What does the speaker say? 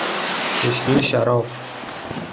بشکهی شراب